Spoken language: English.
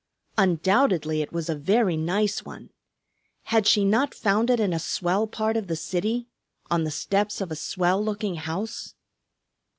Undoubtedly it was a very nice one. Had she not found it in a swell part of the city, on the steps of a swell looking house?